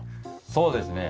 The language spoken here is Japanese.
そうですね。